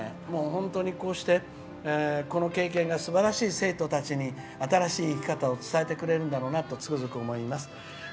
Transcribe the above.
本当にこうしてこの経験がすばらしい生徒たちに新しい生き方を伝えてくれるんだなとつくづく思います。